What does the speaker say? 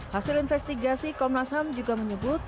hasil investigasi komnas ham juga menyebut